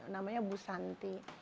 namanya bu santi